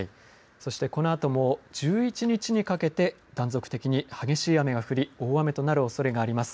そして、このあとも、１１日にかけて、断続的に激しい雨が降り、大雨となるおそれがあります。